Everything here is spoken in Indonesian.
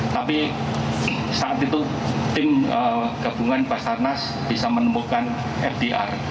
tapi saat itu tim gabungan basarnas bisa menemukan fdr